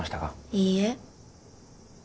いいえ